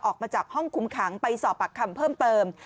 ออกมาจากห้องคุมขังไปสอบปากคำเพิ่มเติม